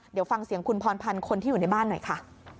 เดี๋ยวฟังเสียงคุณพรพันธ์คนที่อยู่ในบ้านหน่อยค่ะ